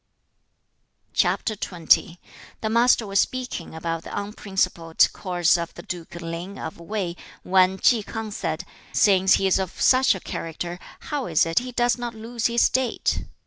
The Master was speaking about the unprincipled course of the duke Ling of Wei, when Ch'i K'ang said, 'Since he is of such a character, how is it he does not lose his State?'